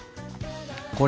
これ